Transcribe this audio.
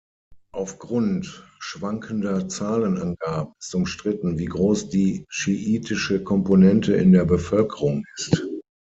Aufgrund schwankender Zahlenangaben ist umstritten, wie groß die schiitische Komponente in der Bevölkerung ist.